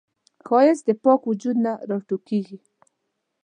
ښایست د پاک وجود نه راټوکېږي